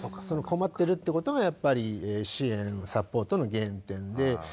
その困ってるってことがやっぱり支援・サポートの原点で。